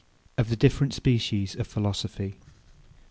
OF THE DIFFERENT SPECIES OF PHILOSOPHY.